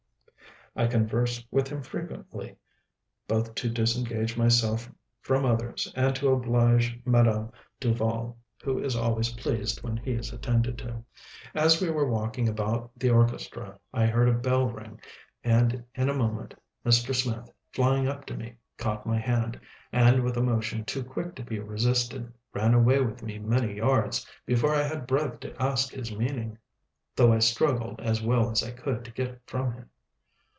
I converse with him frequently, both to disengage myself from others and to oblige Madame Duval, who is always pleased when he is attended to. As we were walking about the orchestra, I heard a bell ring; and in a moment Mr. Smith, flying up to me, caught my hand, and with a motion too quick to be resisted, ran away with me many yards before I had breath to ask his meaning; though I struggled as well as I could to get from him.